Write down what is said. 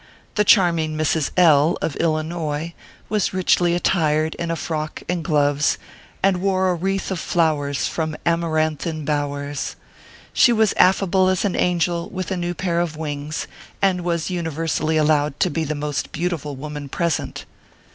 The charming Mrs. L , of Illinois, was richly attired in a frock and gloves, and wore a wreath of flowers from amaranthine bowers. She was affable as an angel with a new pair of wings, and was uni versally allowed to be the most beautiful woman present.